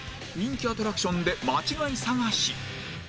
人気アトラクションで間違い探し